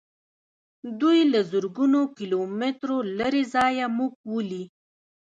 دوی له زرګونو کیلو مترو لیرې ځایه موږ ولي.